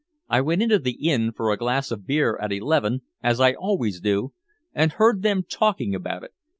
"I went into the inn for a glass of beer at eleven, as I always do, and heard them talking about it.